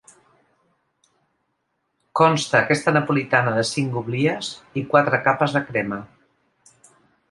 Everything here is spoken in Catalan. Consta aquesta napolitana de cinc oblies i quatre capes de crema.